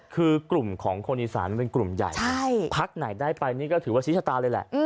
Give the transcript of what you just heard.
คือกลุ่มของคนอีสานมันเป็นกลุ่มใหญ่พักไหนได้ไปนี่ก็ถือว่าชี้ชะตาเลยแหละ